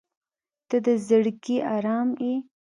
• ته د زړګي ارام یې.